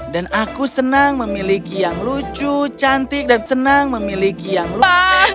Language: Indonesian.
dan aku senang memiliki yang lucu cantik dan senang memiliki yang luar biasa